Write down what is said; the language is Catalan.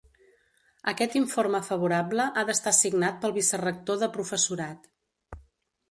Aquest informe favorable ha d'estar signat pel vicerector de professorat.